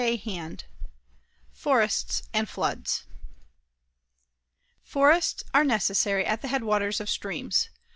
CHAPTER III FORESTS AND FLOODS Forests are necessary at the headwaters of streams.